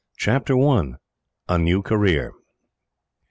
Chapter 1: A New Career.